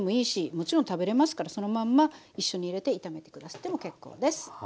もちろん食べれますからそのまんま一緒に入れて炒めて下さっても結構です。